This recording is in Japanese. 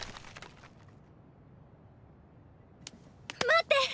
待って！